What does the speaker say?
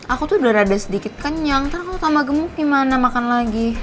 aku tuh udah rada sedikit kenyang ntar kalau tambah gemuk gimana makan lagi